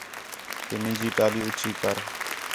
کہ مینجی ٹالی اُچّی کر